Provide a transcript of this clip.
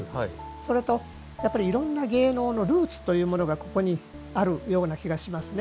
それと、やっぱりいろんな芸能のルーツというものがここにあるような気がしますね。